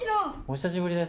お久しぶりです。